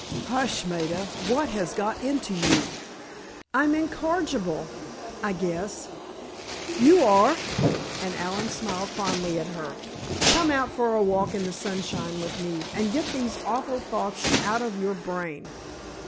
"Hush, Maida! What has got into you?" "I'm incorrigible, I guess——" "You are!" and Allen smiled fondly at her. "Come out for a walk in the sunshine with me, and get these awful thoughts out of your brain."